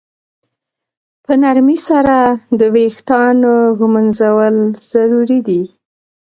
په نرمۍ سره د ویښتانو ږمنځول ضروري دي.